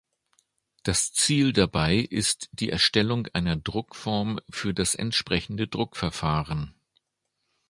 Das Ziel ist dabei die Erstellung einer Druckform für das entsprechende Druckverfahren.